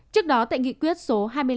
trước đó tại nghị quyết số